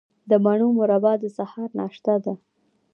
د مڼو مربا د سهار ناشته ده.